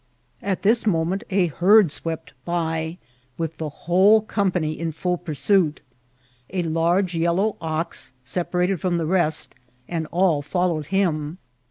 At this moment a herd swept by, with the whole com pany in full pursuit. A large yellow ox separated from the rest, and all followed him.